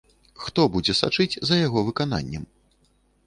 Хто будзе сачыць за яго выкананнем?